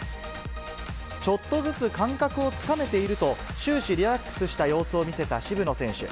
ちょっとずつ感覚をつかめていると、終始、リラックスした様子を見せた渋野選手。